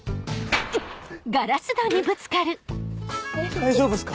大丈夫っすか？